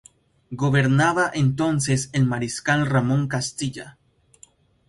Gobernaba entonces el mariscal Ramón Castilla.